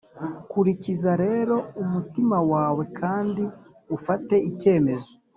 kurikiza rero umutima wawe kandi ufate icyemezo